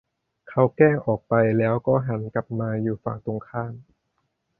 เขาแกล้งออกไปแล้วก็หันกลับมาอยู่ฝั่งตรงข้าม